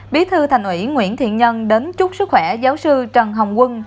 bí thư thành ủy nguyễn thiện nhân đến chúc sức khỏe giáo sư trần hồng quân